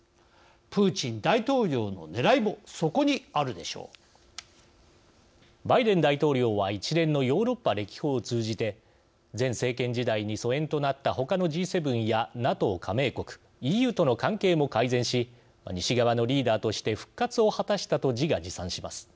プーチン大統領のねらいもバイデン大統領は一連のヨーロッパ歴訪を通じて前政権時代に疎遠となったほかのＧ７やＮＡＴＯ加盟国ＥＵとの関係も改善し西側のリーダーとして復活を果たしたと自画自賛します。